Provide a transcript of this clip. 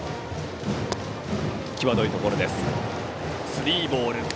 スリーボール。